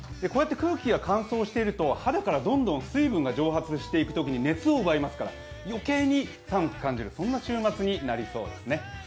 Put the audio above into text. こうやって空気が乾燥していると肌からどんどん水分が蒸発していくときに熱を奪いますから余計に寒く感じる、そんな週末になりそうですね。